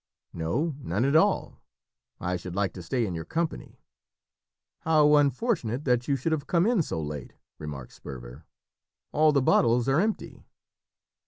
"No, none at all. I should like to stay in your company." "How unfortunate that you should have come in so late!" remarked Sperver; "all the bottles are empty."